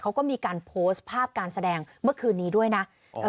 เขาก็มีการโพสต์ภาพการแสดงเมื่อคืนนี้ด้วยนะ